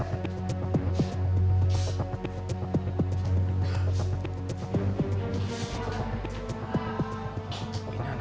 gue yakin mereka gak bakal baca baca